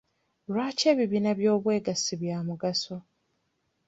Lwaki ebibiina eby'obwegasi bya mugaso?